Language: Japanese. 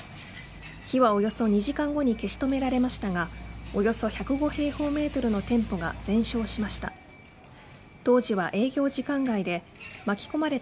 火は、およそ２時間後に消し止められましたがおよそ１０５平方メートルの店舗が全焼しました。